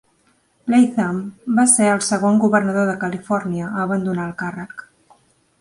Latham va ser el segon governador de Califòrnia a abandonar el càrrec.